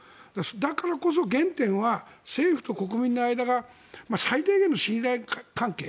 だからこそ原点は政府と国民の間が最低限の信頼関係。